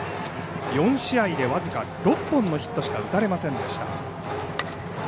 ４試合で僅か６本のヒットしか打たれませんでした。